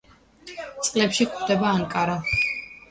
წყლებში გვხვდება ანკარა.